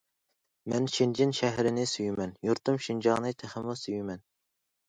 مەن شېنجېن شەھىرىنى سۆيىمەن، يۇرتۇم شىنجاڭنى تېخىمۇ سۆيىمەن.